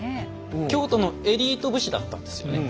京都のエリート武士だったんですよね。